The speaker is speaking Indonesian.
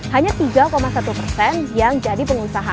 hanya tiga satu persen yang jadi pengusaha